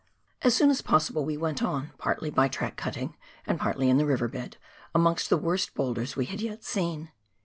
As soon as possible we went on, partly by track cutting and partly in tbe river bed, amongst the worst boulders we had yet seen.